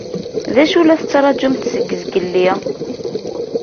D acu i la tettṛaǧumt seg zgelli?